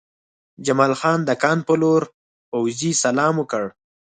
جمال خان د کان په لور پوځي سلام وکړ